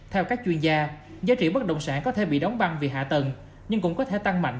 theo các chuyên gia giá trị bất động sản có thể bị đóng băng vì hạ tầng nhưng cũng có thể tăng mạnh